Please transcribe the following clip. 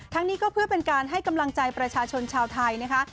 นี้ก็เพื่อเป็นการให้กำลังใจประชาชนชาวไทยนะคะ